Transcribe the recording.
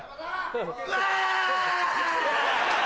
うわ！